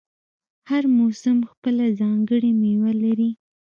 هر موسم خپله ځانګړې میوه لري.